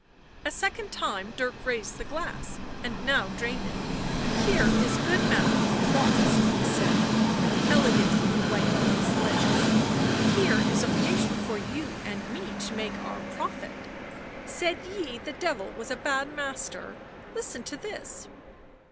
A second time Dirk raised the glass, and now drained it. " Here is good matter for plots," he said, elegantly wiping his lips. " Here is occasion for you and me to make our profit. Said ye the Devil was a bad master ?— listen to this."